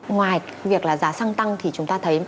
ngoài việc là giá xăng tăng thì chúng ta thấy